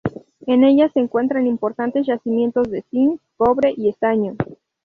En ellas se encuentran importantes yacimientos de cinc, cobre y estaño.